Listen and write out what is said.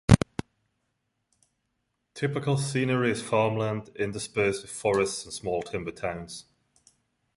Typical scenery is farmland interspersed with forests and small timber towns.